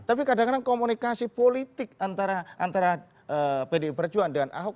tapi kadang kadang komunikasi politik antara pdi perjuangan dengan ahok